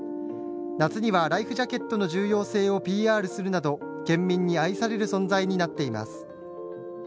夏には、ライフジャケットの重要性をＰＲするなど県民に愛される存在になっています。